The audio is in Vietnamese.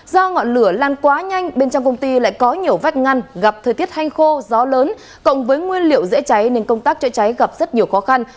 do ngọn lửa lan quá nhanh bên trong công ty lại có nhiều vách ngăn gặp thời tiết hanh khô gió lớn cộng với nguyên liệu dễ cháy nên công tác chữa cháy gặp rất nhiều khó khăn